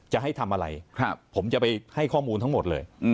จะให้ทำอะไรผมจะไปให้ข้อมูลทั้งหมดเลย